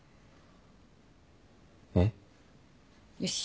えっ？よし。